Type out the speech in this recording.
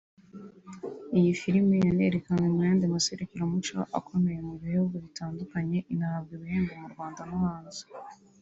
Iyi filime yanerekanwe mu yandi maserukiramuco akomeye mu bihugu bitandukanye inahabwa ibihembo mu Rwanda no hanze